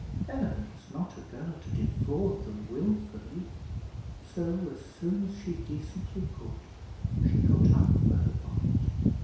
Eleanor was not a girl to defraud them wilfully; so, as soon as she decently could, she got up for her bonnet.